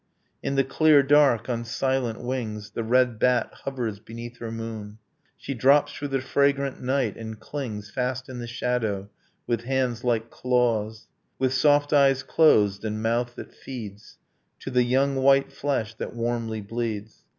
In the clear dark, on silent wings, The red bat hovers beneath her moon; She drops through the fragrant night, and clings Fast in the shadow, with hands like claws, With soft eyes closed and mouth that feeds, To the young white flesh that warmly bleeds.